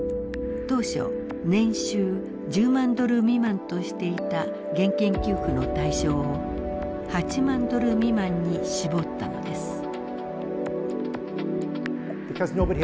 当初年収１０万ドル未満としていた現金給付の対象を８万ドル未満に絞ったのです。